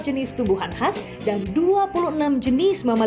ketika diperlukan kawasan ini akan menjadi tempat untuk menjaga kemampuan